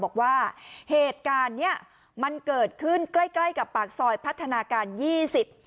บอกว่าเหตุการณ์เนี้ยมันเกิดขึ้นใกล้ใกล้กับปากซอยพัฒนาการยี่สิบ